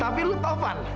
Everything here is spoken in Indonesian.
tapi dia tovan